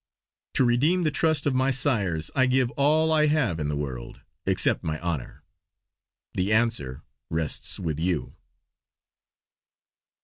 To redeem the trust of my sires I give all I have in the world, except my honour! The answer rests with you!"